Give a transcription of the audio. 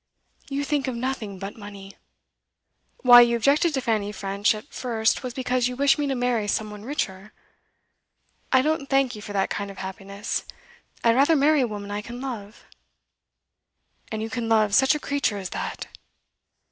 You think of nothing but money. Why you objected to Fanny French at first was because you wished me to marry some one richer. I don't thank you for that kind of happiness; I had rather marry a woman I can love.' 'And you can love such a creature as that?